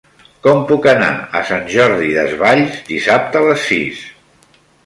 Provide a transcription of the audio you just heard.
Com puc anar a Sant Jordi Desvalls dissabte a les sis?